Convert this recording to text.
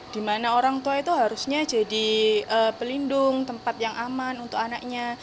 dimana orang tua itu harusnya jadi pelindung tempat yang aman untuk anaknya